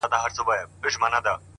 کورنۍ پټ عمل کوي د شرم,